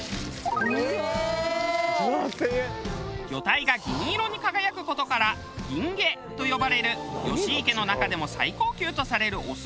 魚体が銀色に輝く事から銀毛と呼ばれる吉池の中でも最高級とされる雄の秋鮭。